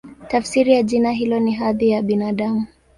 Tafsiri ya jina hilo ni "Hadhi ya Binadamu".